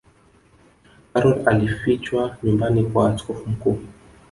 karol alifichwa nyumbani kwa askofu mkuu